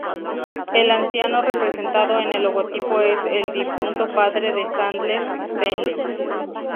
El anciano representado en el logotipo es el difunto padre de Sandler, Stanley.